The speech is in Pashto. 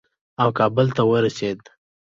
او کابل ته ورسېد.